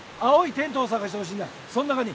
青いテントを探してほしいんだ。